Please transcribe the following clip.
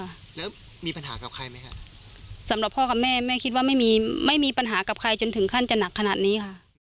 แล้วมีปัญหากับใครไหมฮะสำหรับพ่อกับแม่แม่คิดว่าไม่มีไม่มีปัญหากับใครจนถึงขั้นจะหนักขนาดนี้ค่ะ